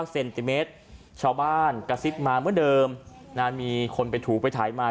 เซนติเมตรชาวบ้านกระซิบมาเหมือนเดิมมีคนไปถูไปถ่ายมา